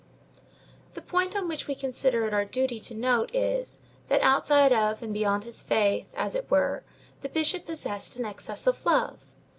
The point which we consider it our duty to note is, that outside of and beyond his faith, as it were, the Bishop possessed an excess of love.